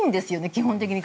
基本的に。